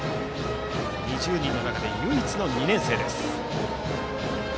２０人の中で唯一の２年生です。